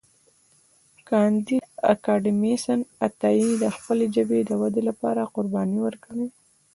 کانديد اکاډميسن عطایي د خپلې ژبې د ودې لپاره قربانۍ ورکړې دي.